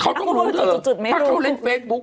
เขาต้องรู้ไม่รู้